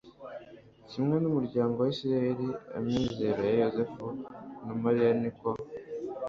kimwe n'umuryango wa isiraheli, amizero ya yozefu na mariya ni uko